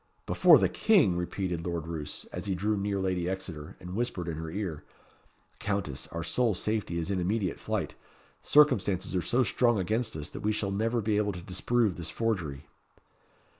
"Before the King!" repeated Lord Roos, as he drew near Lady Exeter, and whispered in her ear "Countess, our sole safety is in immediate flight. Circumstances are so strong against us, that we shall never be able to disprove this forgery."